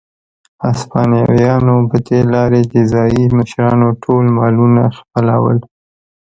هسپانویانو په دې لارې د ځايي مشرانو ټول مالونه خپلول.